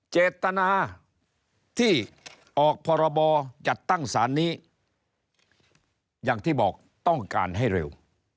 เจตนาที่ออกพรบจัดตั้งสารนี้อย่างที่บอกต้องการให้เร็ว